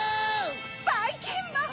ばいきんまん。